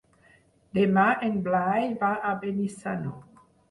Demà en Blai va a Benissanó.